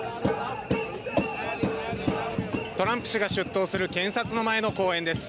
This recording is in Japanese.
トランプ氏が出頭する検察前の公園です。